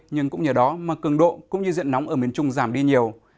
nhưng cũng nhờ đó mà cường độ cũng như diện nóng ở miền trung giảm đi nhiều